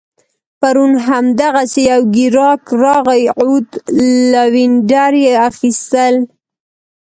پرون هم دغسي یو ګیراک راغی عود لوینډر يې اخيستل